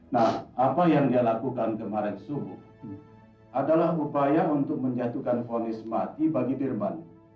nah apa yang dia lakukan kemarin subuh adalah upaya untuk menjatuhkan fonis mati bagi dirban